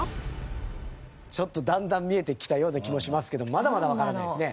ちょっとだんだん見えてきたような気もしますけどまだまだわからないですね。